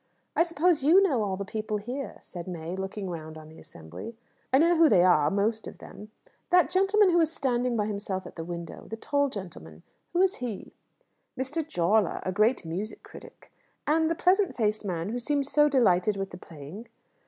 "I suppose you know all the people here," said May, looking round on the assembly. "I know who they are, most of them." "That gentleman who was standing by himself at the window the tall gentleman who is he?" "Mr. Jawler, a great musical critic." "And the pleasant faced man who seemed so delighted with the playing?"